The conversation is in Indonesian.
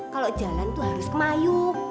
kalau jalan harus kemayu